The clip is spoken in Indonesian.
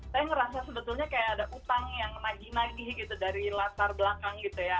saya ngerasa sebetulnya kayak ada utang yang nagih nagih gitu dari latar belakang gitu ya